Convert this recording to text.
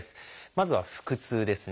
まずは「腹痛」ですね。